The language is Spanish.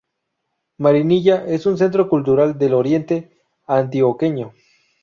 Marinilla es un centro cultural del oriente antioqueño.